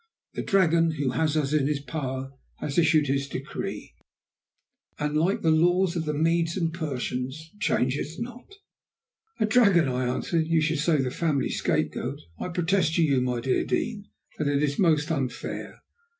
The dragon who has us in his power has issued his decree, and, like the laws of the Medes and Persians, it changeth not." "A dragon?" I answered. "You should say the family scapegoat! I protest to you, my dear Dean, that it is most unfair.